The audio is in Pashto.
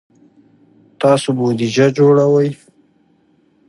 تاسو بودیجه جوړوئ؟